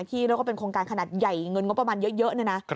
เรียกว่าเป็นโครงการขนาดใหญ่เงินงบประมาณเยอะเนี่ยนะ